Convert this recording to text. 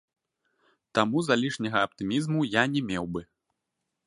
Таму залішняга аптымізму я не меў бы.